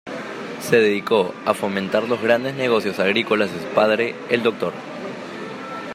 Se dedicó a fomentar los grandes negocios agrícolas de su padre, el Dr.